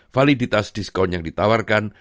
validitas diskon yang ditawarkan